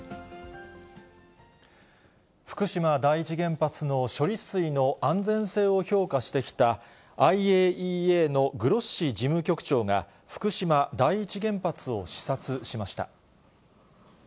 福島第一原発の処理水の安全性を評価してきたＩＡＥＡのグロッシ事務局長が、福島第一原発を視察しました。